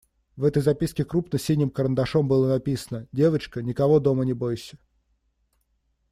В этой записке крупно синим карандашом было написано: «Девочка, никого дома не бойся.»